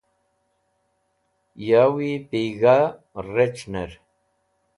Yowi Pig̃ha Rec̃hner